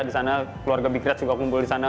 di sana keluarga big reds juga kumpul di sana